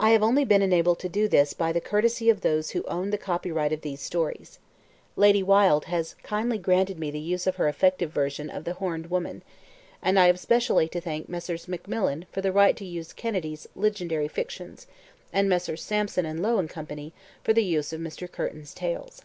I have only been enabled to do this by the courtesy of those who owned the copyright of these stories. Lady Wilde has kindly granted me the use of her effective version of "The Horned Women;" and I have specially to thank Messrs. Macmillan for right to use Kennedy's "Legendary Fictions," and Messrs. Sampson Low & Co., for the use of Mr. Curtin's Tales.